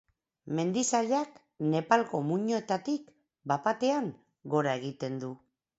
Mendi sailak Nepalgo muinoetatik bat-batean gora egiten du.